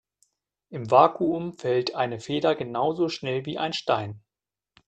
Im Vakuum fällt eine Feder genauso schnell wie ein Stein.